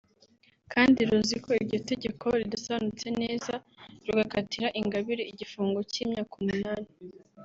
kandi ruzi ko iryo tegeko ridasobanutse neza rugakatira Ingabire igifungo cy’imyaka umunani